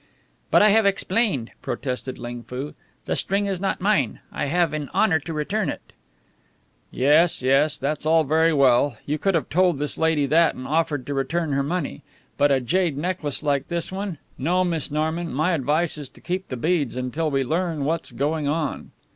"But I have explained!" protested Ling Foo. "The string is not mine. I have in honour to return it." "Yes, yes! That's all very well. You could have told this lady that and offered to return her money. But a jade necklace like this one! No, Miss Norman; my advice is to keep the beads until we learn what's going on."